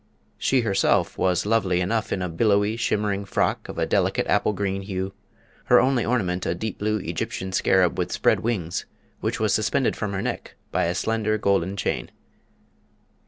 She herself was lovely enough in a billowy, shimmering frock of a delicate apple green hue, her only ornament a deep blue Egyptian scarab with spread wings, which was suspended from her neck by a slender gold chain.